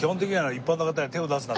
「一般の方には手を出すな」。